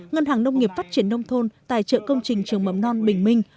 ngân hàng nông nghiệp phát triển nông thôn tài trợ công trình trường mầm non bình minh